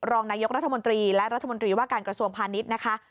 รองนายกรัฐมนตรีและรัฐมนตรีว่าการกระทรวงพาณิชย์นะคะ